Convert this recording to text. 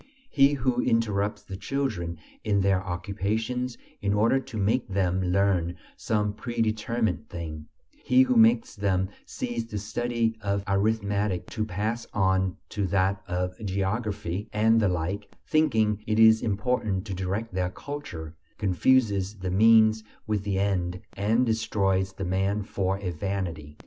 He who interrupts the children in their occupations in order to make them learn some pre determined thing; he who makes them cease the study of arithmetic to pass on to that of geography and the like, thinking it is important to direct their culture, confuses the means with the end and destroys the man for a vanity.